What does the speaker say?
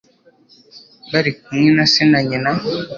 Barikumwe na se na nyina